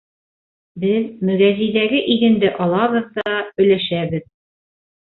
Беҙ мөгәзәйҙәге игенде алабыҙ ҙа өләшәбеҙ.